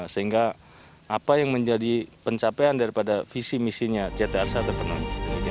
sehingga apa yang menjadi pencapaian daripada visi misinya ctr saat terpenuh